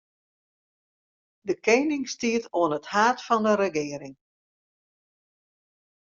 De kening stiet oan it haad fan 'e regearing.